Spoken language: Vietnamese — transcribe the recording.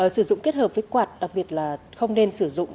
sử dụng kết hợp với quạt đặc biệt là không nên sử dụng